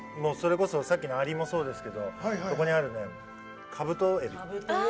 さっきのアリもそうですけどカブトエビ。